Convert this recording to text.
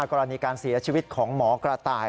กรณีการเสียชีวิตของหมอกระต่าย